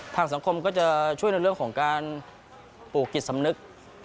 ทางสังคมก็จะช่วยในเรื่องของการปลูกจิตสำนึก